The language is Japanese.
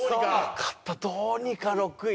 よかったどうにか６位。